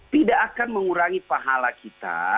tidak akan mengurangi pahala kita